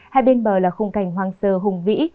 hai bên bờ là khung cảnh hoang sơ hùng vĩ